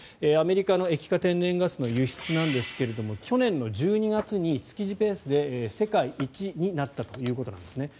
アメリカの液化天然ガスの輸出なんですが去年の１２月に月次ベースで世界一になったということです。